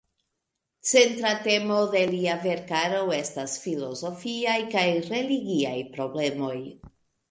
Centra temo en lia verkaro estas filozofiaj kaj religiaj problemoj.